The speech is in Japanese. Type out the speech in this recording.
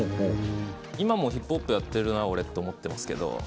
今もヒップホップをやっているな、俺と思っています。